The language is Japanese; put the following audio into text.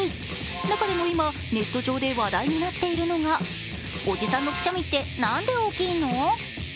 中でも今、ネット上で話題になっているのがおじさんのくしゃみってなんで大きいの？